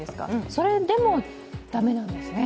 それでも、駄目なんですね。